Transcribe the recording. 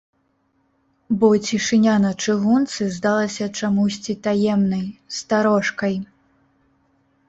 Бо цішыня на чыгунцы здалася чамусьці таемнай, старожкай.